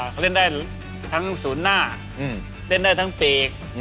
เขาเล่นได้ทั้งศูนย์หน้าเล่นได้ทั้งปีก